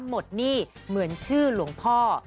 หนี้เหมือนชื่อหลวงพ่อ